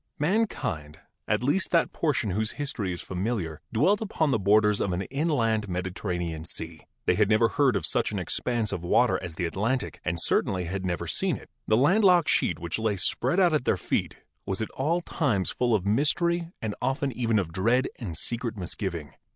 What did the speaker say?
Mankind — at least that portion whose history is fa miliar — dwelt upon the borders of an inland, mediter ranean sea. They had never heard of such an expanse of water as the Atlantic and certainly had never seen it. The land locked sheet which lay spread out at their' feet was at all times full of mystery and often even of dread and secret misgiving.